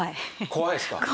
怖いですか？